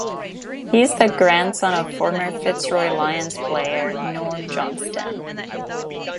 He is the grandson of former Fitzroy Lions player, Norm Johnstone.